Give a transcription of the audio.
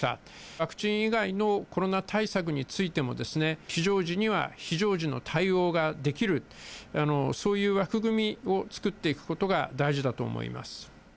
ワクチン以外のコロナ対策についても、非常時には非常時の対応ができる、そういう枠組みを作っていくことが大事だと思います。